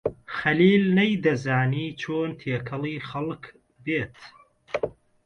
خەلیل نەیدەزانی چۆن تێکەڵی خەڵک بێت.